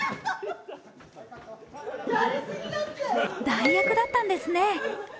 代役だったんですね。